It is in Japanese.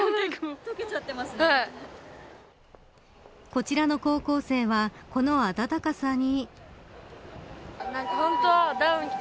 こちらの高校生はこの暖かさに。